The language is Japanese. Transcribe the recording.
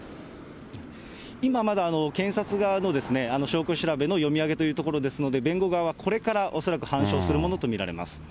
今まだ検察側の証拠調べの読み上げというところですので、弁護側はこれから恐らく反証するものと見られます。